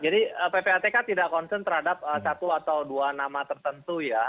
jadi ppatk tidak concern terhadap satu atau dua nama tertentu ya